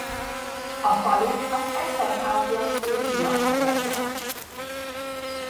A falu az Esterházyak ősi lakhelye volt.